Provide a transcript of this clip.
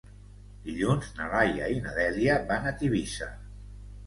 Dilluns na Laia i na Dèlia van a Tivissa.